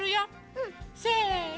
うん！せの！